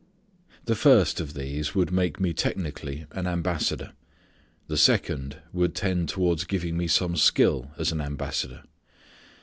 The first of these would make me technically an ambassador. The second would tend towards giving me some skill as an ambassador.